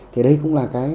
thì đây cũng là cái